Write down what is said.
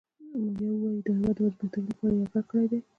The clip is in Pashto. یا ووایو د هیواد د وضع بهترولو لپاره یرغل کړی دی.